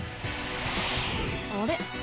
あれ？